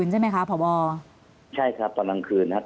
ใช่ครับตอนรักคืนครับ